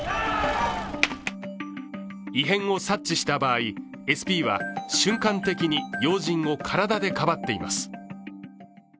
異変を察知した場合ＳＰは瞬間的に要人を体でかばっています。